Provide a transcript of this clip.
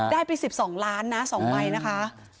ได้ไป๑๒ล้านนะ๒ใบนะคะ